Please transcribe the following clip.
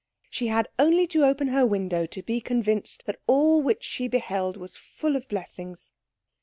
She had only to open her window to be convinced that all which she beheld was full of blessings.